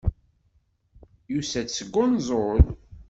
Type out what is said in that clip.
Yusa-d seg unẓul.